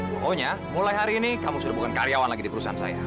pokoknya mulai hari ini kamu sudah bukan karyawan lagi di perusahaan saya